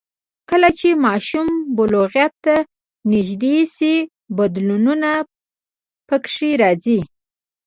کله چې ماشوم بلوغیت ته نږدې شي، بدلونونه پکې راځي.